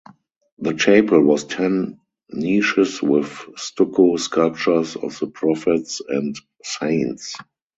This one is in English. The chapel has ten niches with stucco sculptures of the prophets and saints.